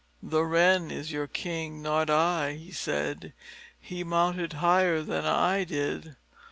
"The Wren is your king, not I," he said. "He mounted higher than I did."